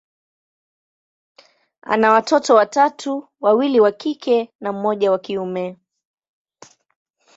ana watoto watatu, wawili wa kike na mmoja wa kiume.